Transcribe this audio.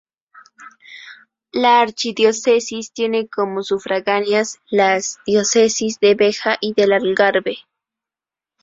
La archidiócesis tiene como sufragáneas las diócesis de Beja y del Algarve.